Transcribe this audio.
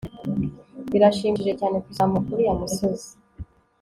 Birashimishije cyane kuzamuka uriya musozi